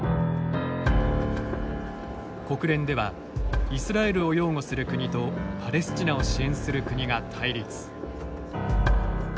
国連ではイスラエルを擁護する国とパレスチナを支援する国が対立。